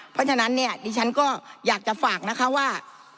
เพราะฉะนั้นเนี่ยดิฉันก็อยากจะฝากนะคะว่า